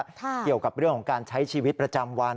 เกี่ยวกับเรื่องของการใช้ชีวิตประจำวัน